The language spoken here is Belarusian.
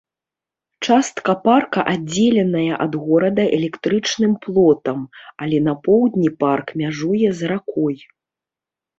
Частка парка аддзеленая ад горада электрычным плотам, але на поўдні парк мяжуе з ракой.